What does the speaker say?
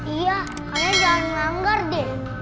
iya karena jangan menganggar deh